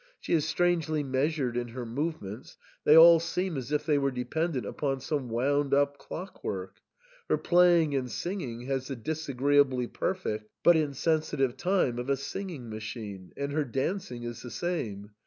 She is strangely measured in her movements, they all seem as if they were dependent upon some wound up clock work. Her playing and singing has the disagree ably perfect, but insensitive time of a singing machine, and her dancing is the same.